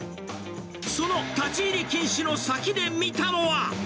その立ち入り禁止の先で見たのは。